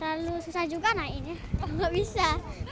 terlalu susah juga naiknya nggak bisa